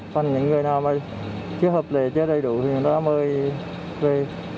thành những người nào mới chứ hợp lệ chứ đầy đủ thì nó mới về